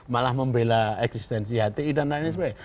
malah membela eksistensi hti dan lain sebagainya